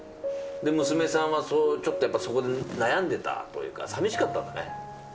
娘さんは、ちょっとそこで悩んでたというか寂しかったんだね。